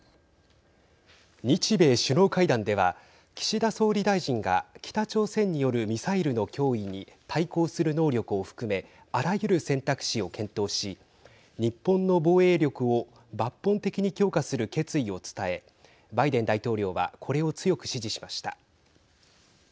日米首脳会談では岸田総理大臣が北朝鮮によるミサイルの脅威に対抗する能力を含めあらゆる選択肢を検討し日本の防衛力を抜本的に強化する決意を伝えバイデン大統領はこれを強く支持しました。